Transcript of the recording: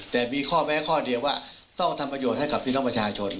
แต่มีข้อแม้ข้อเดียวว่าต้องทำประโยชน์ให้กับพี่น้องประชาชน